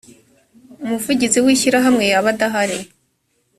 umuvugizi w ishyirahamwe yaba adahari?